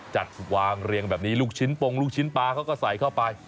จัดวางเรียงแบบนี้ลูกชิ้นปงลูกชิ้นปลาเขาก็ใส่เข้าไป